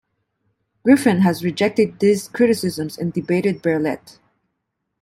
Griffin has rejected these criticisms and debated Berlet.